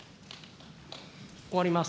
終わります。